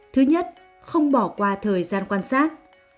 thứ nhất không bỏ qua thời gian quan sát